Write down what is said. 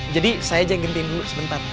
jadi saya janggentin dulu sebentar